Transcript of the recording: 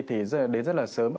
thì đến rất là sớm